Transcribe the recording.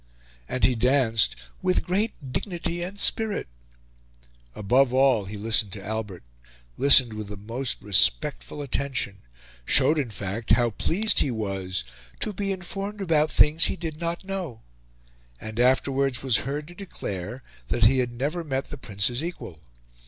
And he danced "with great dignity and spirit." Above all, he listened to Albert; listened with the most respectful attention; showed, in fact, how pleased he was "to be informed about things he did not know;" and afterwards was heard to declare that he had never met the Prince's equal.